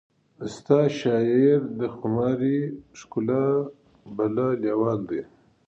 د ستا شاعر د خماري ښکلا بلا لیوال دی